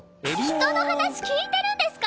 人の話聞いてるんですか！？